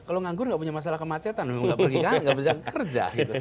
kalau nganggur nggak punya masalah kemacetan nggak pergi kan nggak bisa kerja